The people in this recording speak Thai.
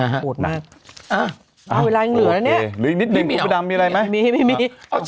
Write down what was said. โหโฮโหดมาก